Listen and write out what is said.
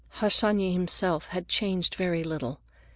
Harsanyi himself had changed very little.